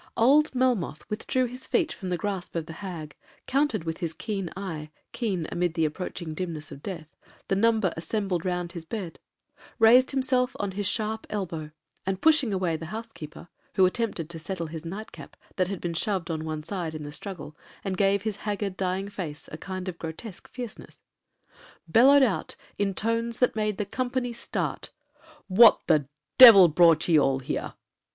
Old Melmoth withdrew his feet from the grasp of the hag,—counted with his keen eye (keen amid the approaching dimness of death) the number assembled round his bed,—raised himself on his sharp elbow, and pushing away the housekeeper, (who attempted to settle his nightcap, that had been shoved on one side in the struggle, and gave his haggard, dying face, a kind of grotesque fierceness), bellowed out in tones that made the company start,—'What the devil brought ye all here?'